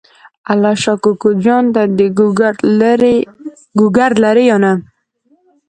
الله شا کوکو جان ته ګوګرد لرې یا نه؟